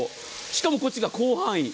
しかもこっちが広範囲。